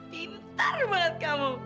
pintar banget kamu